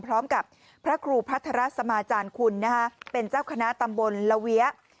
พร้อมกับพระครูพัทรสมาจารย์คุณเป็นเจ้าคณะตำบลละเวีย